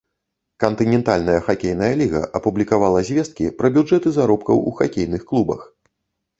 Кантынентальная хакейная ліга апублікавала звесткі пра бюджэты заробкаў у хакейных клубах.